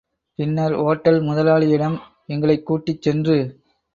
பின்னர் ஓட்டல் முதலாளியிடம் எங்களைக் கூட்டிச் சென்று.